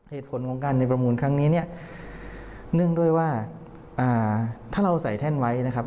เหตุผลของการในประมูลครั้งนี้เนี่ยเนื่องด้วยว่าถ้าเราใส่แท่นไว้นะครับ